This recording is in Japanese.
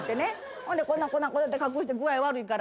ほんでこんなんこんなんこないして隠して具合悪いから。